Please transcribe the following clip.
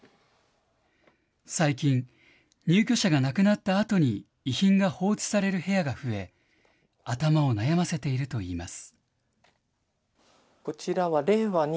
最近、入居者が亡くなったあとに遺品が放置される部屋が増え、頭を悩ませているといいます。